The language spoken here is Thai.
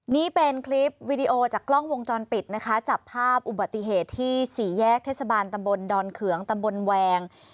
นี่เป็นคลิปวีดีโอจากกล้องวงจรปิดนะคะจับภาพอุบัติเหตุที่สี่แยกเทศบาลตำบลดอนเขืองตำบลแวง